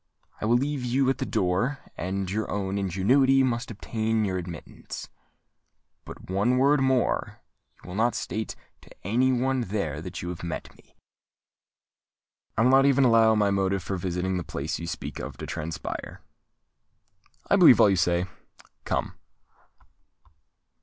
I will leave you at the door; and your own ingenuity must obtain you admittance. But, one word more: you will not state to any one there that you have met me?" "I will not even allow my motive for visiting the place you speak of to transpire." "I believe all you say. Come!"